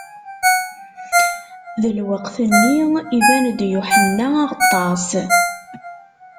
Di lweqt-nni, iban-d Yuḥenna Aɣeṭṭaṣ.